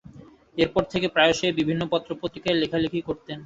এরপর থেকে প্রায়শই বিভিন্ন পত্র-পত্রিকায় লেখালেখি করতেন।